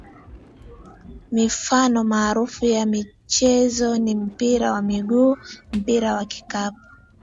Mifano maarufu ya michezo ni mpira wa miguu mpira wa kikapu